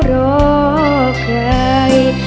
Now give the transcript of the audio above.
รอใคร